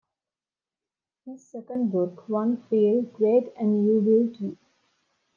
His second book one Feel Great and You Will Too!